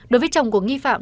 đối với chồng của nghi phạm